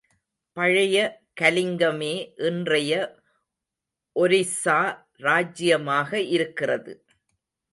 பழைய கலிங்கமே, இன்றைய ஒரிஸ்ஸா ராஜ்ஜியமாக இருக்கிறது.